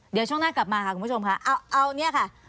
เดี๋ยวช่วงหน้ากลับมาค่ะคุณผู้ชมค่ะเอาเนี่ยค่ะ